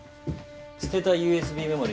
捨てたＵＳＢメモリー